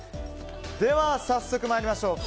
では早速参りましょう。